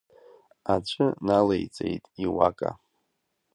Аҵәы налеиҵеит Иуака.